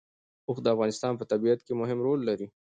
اوښ د افغانستان په طبیعت کې مهم رول لري.